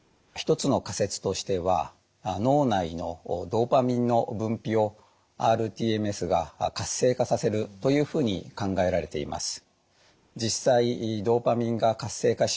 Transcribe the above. １つの仮説としては脳内のドパミンの分泌をｒＴＭＳが活性化させるというふうに考えられています。